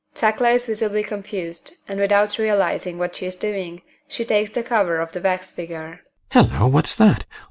(TEKLA is visibly confused, and without realising what she is doing, she takes the cover off the wax figure.) GUSTAV. Hello! What's that?